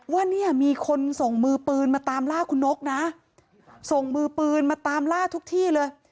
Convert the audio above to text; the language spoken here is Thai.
ว่าเนี่ยมีคนส่งมือปืนมาตามล่าคุณนกนะส่งมือปืนมาตามล่าทุกที่เลย